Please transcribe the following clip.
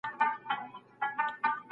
په ماشومانو کې د مشرۍ ځواک وروزی.